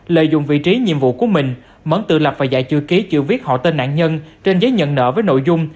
lợi dụng vị trí nhiệm vụ của mình mẫn tự lập và giải chư ký chữ viết họ tên nạn nhân trên giấy nhận nợ với nội dung